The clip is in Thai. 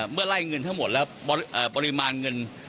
เมื่อไล่เงินทั้งหมดแล้วปริมาณเงิน